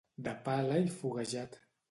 De pala i foguejat.